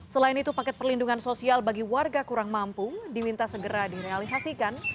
selain itu paket perlindungan sosial bagi warga kurang mampu diminta segera direalisasikan